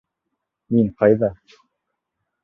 Мин ҡайҙа?